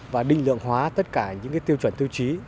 và đinh lượng hóa tất cả những tiêu chuẩn tiêu chí